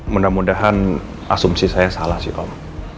mudah mudahan asumsi saya salah sih om